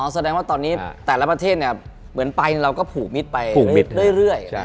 แสดงว่าตอนนี้แต่ละประเทศเหมือนไปเราก็ผูกมิตรไปเรื่อย